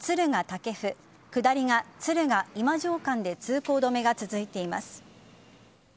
武生下りが敦賀今庄間で通行止めが続いています。